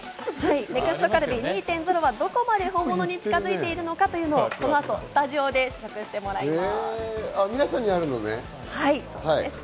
ＮＥＸＴカルビ２．０はどこまで本物に近づいているのかをこの後スタジオで試食してもらいます。